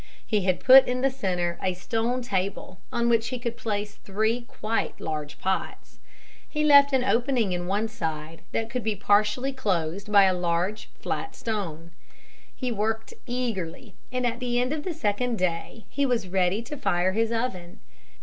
He had put in the center a stone table on which he could place three quite large pots. He left an opening in one side that could be partially closed by a large, flat stone. He worked eagerly and at the end of the second day he was ready to fire his oven.